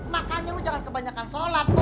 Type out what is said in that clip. makanya lu jangan kebanyakan sholat